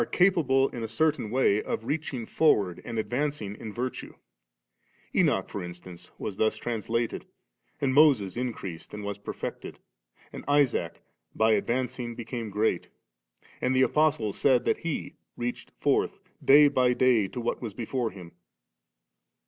capable in a certain way of reachng forward and advancing in virtue '• Enoch, for instance, was thus translated, and Moses increased and was perfected; and Isaac 'by advancing be came great*;' and the Apostle said that he 'reached forth 3' day by day to what was before him.